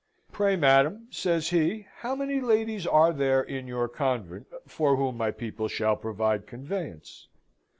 "Pray, madam," says he, "how many ladies are there in your convent, for whom my people shall provide conveyance?"